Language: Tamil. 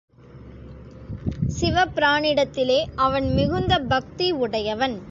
சிவபிரானிடத்திலே அவன் மிகுந்த பக்தி உடையவன்.